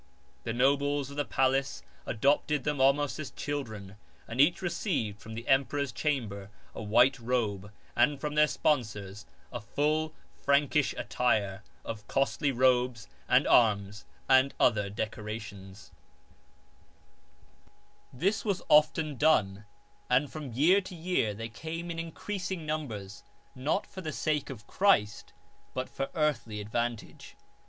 " The nobles of the palace adopted them almost as children, and each received from the emperor's chamber a white robe and from their sponsors a full Prankish attire, of costly robes and arms and other decorations. »53 FEIGNED CONVERSIONS This was often done and from year to year they came in increasing numbers, not for the sake of Christ but for earthly advantage.